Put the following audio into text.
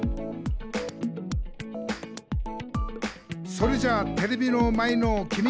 「それじゃテレビの前のきみ！」